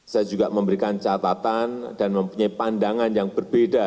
saya juga memberikan catatan dan mempunyai pandangan yang berbeda